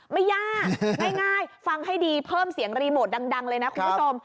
ไม่ยากง่ายฟังให้ดีเพิ่มเสียงรีโมทดังเลยนะคุณผู้ชม